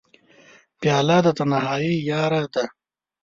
پیاله د تنهایۍ یاره ده.